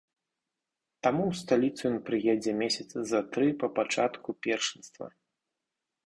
Таму ў сталіцу ён прыедзе месяцы за тры па пачатку першынства.